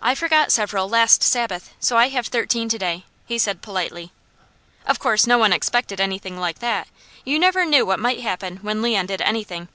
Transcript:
"I forgot several last Sabbath, so I have thirteen to day," he said politely. Of course no one expected anything like that. You never knew what might happen when Leon did anything.